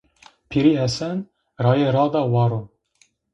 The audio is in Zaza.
Pîrî Hesen raye ra da war o